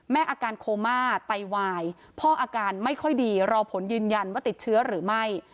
อาการโคม่าไตวายพ่ออาการไม่ค่อยดีรอผลยืนยันว่าติดเชื้อหรือไม่